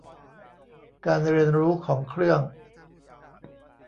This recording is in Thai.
การเรียนรู้ของเครื่อง